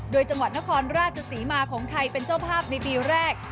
โดยจังหวัดนครราชศรีมาของไทยเป็นเจ้าภาพในปีแรก